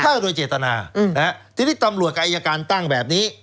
ฆ่าโดยเจตนาอืมนะฮะทีนี้ตำลัวกายาริอาการตั้งแบบนี้